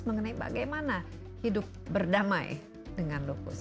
mengenai bagaimana hidup berdamai dengan lupus